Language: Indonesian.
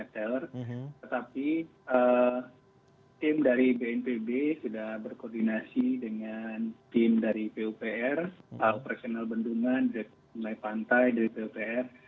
tetapi tim dari bnpb sudah berkoordinasi dengan tim dari pupr operasional bendungan dari mulai pantai dari pupr